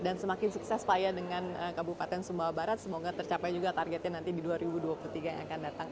dan semakin sukses pak ya dengan kabupaten sumbawa barat semoga tercapai juga targetnya nanti di dua ribu dua puluh tiga yang akan datang